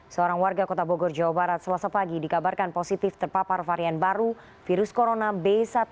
seorang warga kota bogor jawa barat selasa pagi dikabarkan positif terpapar varian baru virus corona b satu satu